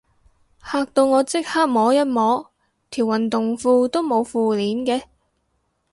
嚇到我即刻摸一摸，條運動褲都冇褲鏈嘅